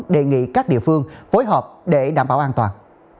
đề nghị các địa phương phối hợp để đảm bảo an toàn